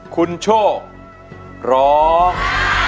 คุณโชคร้อง